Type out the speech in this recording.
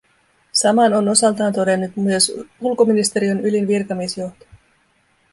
Saman on osaltaan todennut myös ulkoministeriön ylin virkamiesjohto.